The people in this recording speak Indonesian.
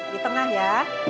di tengah ya